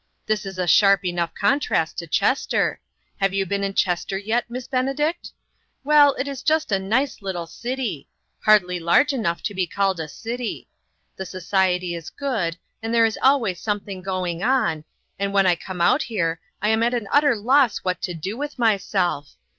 This is a sharp enough contrast to Chester. Have you been in Chester yet, Miss Benedict ? Well, it is just a nice little city ; hardly large enough to be called a city. The society is good, and there is always something going on, and when I come out here I am at an utter loss what to do with myself.